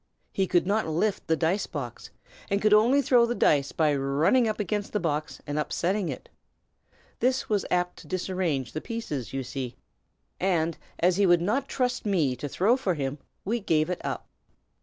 He could not lift the dice box, and could only throw the dice by running against the box, and upsetting it. This was apt to disarrange the pieces, you see; and as he would not trust me to throw for him, we gave it up."